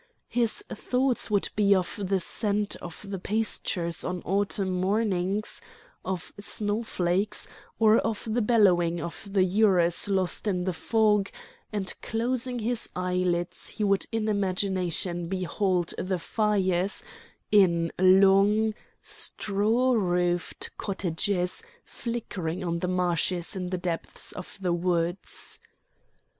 His thoughts would be of the scent of the pastures on autumn mornings, of snowflakes, or of the bellowing of the urus lost in the fog, and closing his eyelids he would in imagination behold the fires in long, straw roofed cottages flickering on the marshes in the depths of the woods.